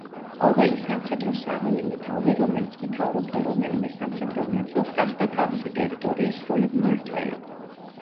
ყოველი სამხედრო საველე მეთაური, რომელიც მეთაურობდა რომელიმე სამხედრო ნაწილს, გახდა თავისი ტერიტორიის სრული მმართველი.